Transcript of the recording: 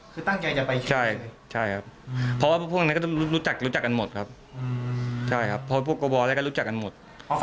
คือตั้งใจจะไปใช่ครับเพราะว่าพวกนั้นก็ต้องรู้จักรู้จักกันหมดครับใช่ครับเพราะพวกกระบอแล้วก็รู้จักกันหมด